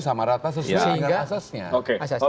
sama rata sehingga asasnya